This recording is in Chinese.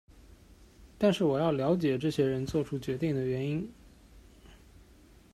但是我要了解这些人作出决定的原因。